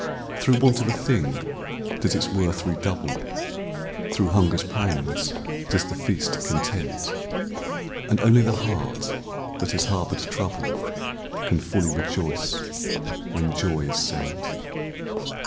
Through want of a thing does its worth redouble, Through hunger's pangs does the feast content, And only the heart that has harboured trouble Can fully rejoice when joy is sent.